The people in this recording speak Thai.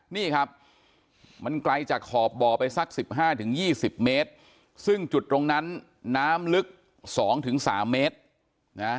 นี่ครับมันไกลจากขอบบ่อไปสัก๑๕๒๐เมตรซึ่งจุดตรงนั้นน้ำลึก๒๓เมตรนะ